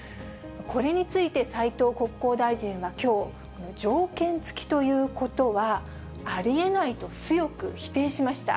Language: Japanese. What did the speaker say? これについて、斉藤国交大臣はきょう、条件付きということはありえないと強く否定しました。